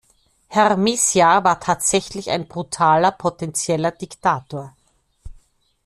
Herr Meciar war tatsächlich ein brutaler potentieller Diktator.